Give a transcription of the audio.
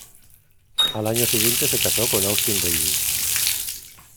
Al año siguiente se casó con Austin Davies.